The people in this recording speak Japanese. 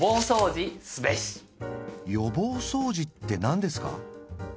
予防掃除ってなんですか？